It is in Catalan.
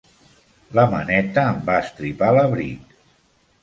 La maneta em va estripar l'abric.